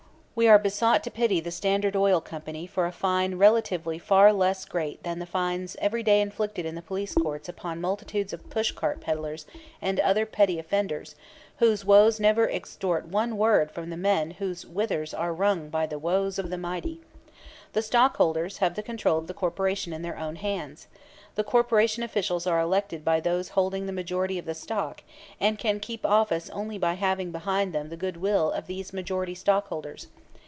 We are besought to pity the Standard Oil Company for a fine relatively far less great than the fines every day inflicted in the police courts upon multitudes of push cart peddlers and other petty offenders, whose woes never extort one word from the men whose withers are wrung by the woes of the mighty. The stockholders have the control of the corporation in their own hands. The corporation officials are elected by those holding the majority of the stock and can keep office only by having behind them the good will of these majority stockholders.